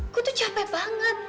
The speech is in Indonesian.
gue tuh capek banget